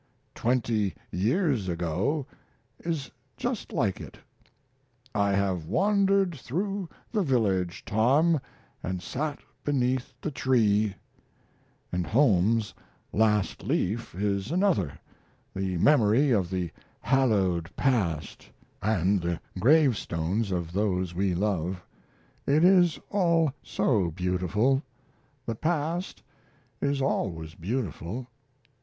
'Twenty Years Ago' is just like it 'I have wandered through the village, Tom, and sat beneath the tree' and Holmes's 'Last Leaf' is another: the memory of the hallowed past, and the gravestones of those we love. It is all so beautiful the past is always beautiful."